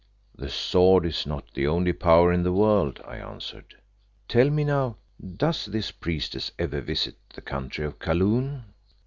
"The sword is not the only power in the world," I answered. "Tell me, now, does this priestess ever visit the country of Kaloon?"